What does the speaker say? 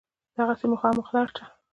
دغسې مخامخ لاړ شه.